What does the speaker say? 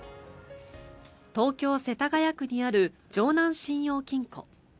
東京・世田谷区にある城南信用金庫。